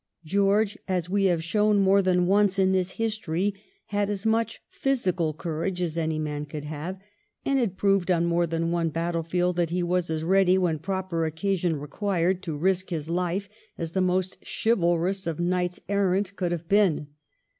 George, as we have shown more than once in this history, had as much physical courage as any man could have, and had proved on more than one battle field that he was as ready, when proper occasion required, to risk his life as the most chivalrous of knights errant could have been.